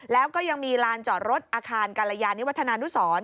แล้วก็ยังมีลานจอดรถอาคารกรยานิวัฒนานุสร